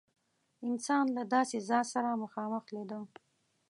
انسان له داسې ذات سره مخامخ لیده.